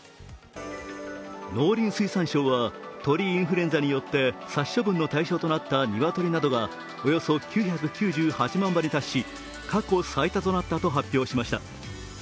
農林水産省は鳥インフルエンザによって殺処分の対象となった鶏などがおよそ９９８万羽に達し過去最多となったと発表しました。